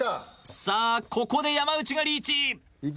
さあここで山内がリーチ。